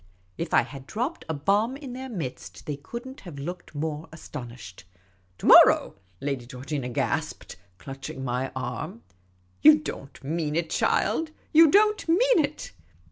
If I had dropped a bomb in their midst they could n't have looked more astonished. '' To morrow ?'' Lady Georgina gasped, clutching my arm. " You don't mean it, child ; you don't mean it